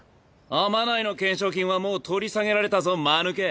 天内の懸賞金はもう取り下げられたぞまぬけ。